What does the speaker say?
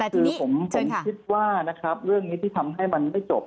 แต่ทีนี้เชิญค่ะคือผมคิดว่านะครับเรื่องนี้ที่ทำให้มันไม่จบ